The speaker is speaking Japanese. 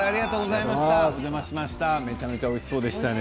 めちゃめちゃおいしそうでしたね。